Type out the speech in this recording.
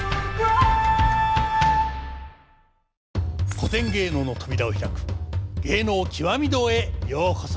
古典芸能の扉を開く「芸能きわみ堂」へようこそ。